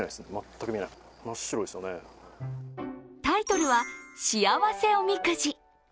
タイトルは幸せおみくじ。